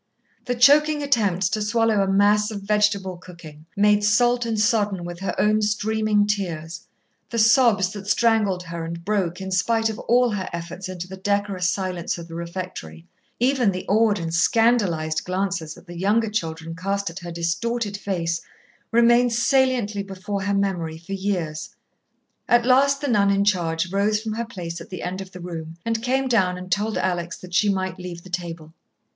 The choking attempts to swallow a mass of vegetable cooking, made salt and sodden with her own streaming tears, the sobs that strangled her and broke in spite of all her efforts into the decorous silence of the refectory, even the awed and scandalized glances that the younger children cast at her distorted face, remained saliently before her memory for years. At last the nun in charge rose from her place at the end of the room and came down and told Alex that she might leave the table.